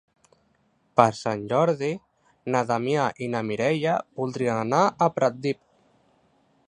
Per Sant Jordi na Damià i na Mireia voldrien anar a Pratdip.